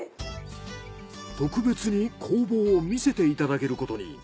特別に工房を見せていただけることに。